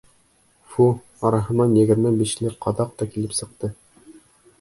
Фу, араһынан егерме бишле ҡаҙаҡ та килеп сыҡты.